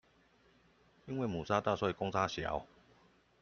因為母鯊大，所以公鯊小